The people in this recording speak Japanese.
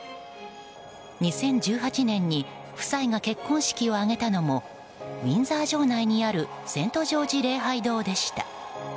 ２０１８年に夫妻が結婚式を挙げたのもウィンザー城内にあるセント・ジョージ礼拝堂でした。